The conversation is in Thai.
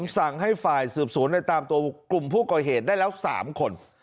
สั่งให้ฝ่ายสืบสวนในตามตัวกลุ่มผู้ก่อเหตุได้แล้ว๓คน